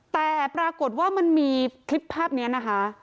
แต่ปรากฏว่ามันมีคลิปภาพนี้นะคะ